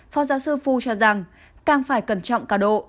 phó giáo sư phu cho rằng càng phải cẩn trọng cả độ